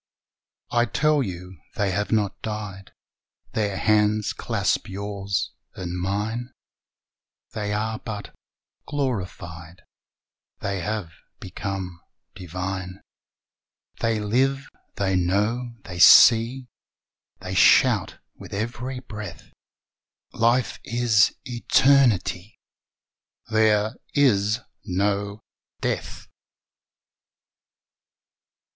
I tell you they have not died, Their hands clasp yours and mine; They are hut glorified, They have become divine. They live! they know! they see! They shout with every breath: "Life is eternity! There is no death!"